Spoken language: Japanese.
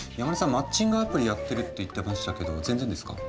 マッチングアプリやってるって言ってましたけど全然ですか？